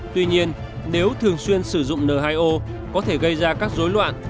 tuy nhiên nếu thường xuyên sử dụng n hai o có thể gây ra các dối loạn